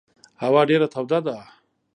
هوا ډېره توده ده.